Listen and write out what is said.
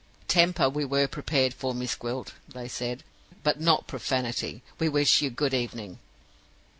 "'Temper we were prepared for, Miss Gwilt,' they said, 'but not Profanity. We wish you good evening.